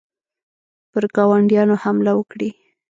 پر ګاونډیانو حمله وکړي.